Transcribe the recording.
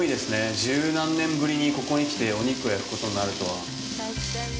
十何年ぶりにここに来てお肉を焼くことになるとは。